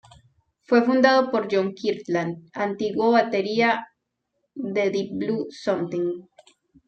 Fue fundado por John Kirtland, antiguo batería de Deep Blue Something.